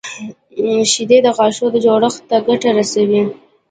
شیدې د غاښونو جوړښت ته ګټه رسوي